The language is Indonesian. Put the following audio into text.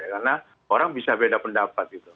karena orang bisa beda pendapat